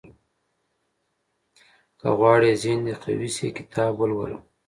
• که غواړې ذهن دې قوي شي، کتاب ولوله.